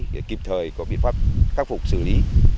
để kịp thời có biện pháp khắc phục xử lý